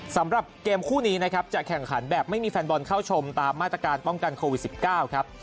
สำหรับเกมคู่นี้นะครับจะแข่งขันแบบไม่มีแฟนบอลเข้าชมตามมาตรการป้องกันโควิด๑๙ครับ